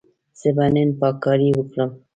زه به نن پاککاري وکړم.